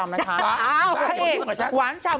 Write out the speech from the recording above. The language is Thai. คุณพ่อค่ะคุณพ่อค่ะ